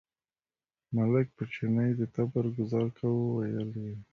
ملک په چیني د تبر ګوزار کاوه، ویل یې.